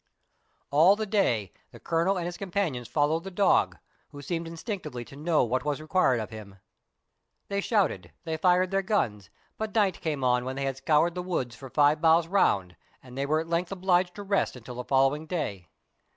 All the day the Colonel and his companions followed the dog, who seemed instinctively to know what was re quired of him. They shouted, they fired their guns, but night came on when they had scoured the woods for five miles round, and they were at length obliged to rest until the following day.